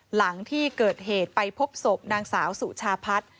หลังที่เกิดเหตุไปพบศพนางสาวสุชาพัฒน์